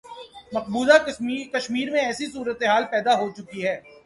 مقبوضہ کشمیر میں ایسی صورتحال پیدا ہو چکی ہے۔